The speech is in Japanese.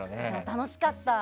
楽しかった。